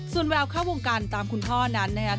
ส่วนแววเข้าวงการตามคุณพ่อนั้นนะครับ